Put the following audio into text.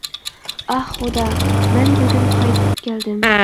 ئاھ خۇدا، مەن بۈگۈن قايتىپ كەلدىم.